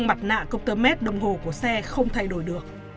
mặt nạ cốc tơ mét đồng hồ của xe không thay đổi được